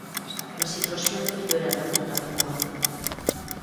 La situació no millora per a tothom igual.